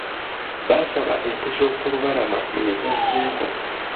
Baasaba ente z'oku lubalama eza zebu.